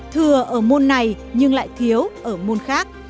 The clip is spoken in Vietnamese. thừa ở môn này nhưng lại thiếu ở môn khác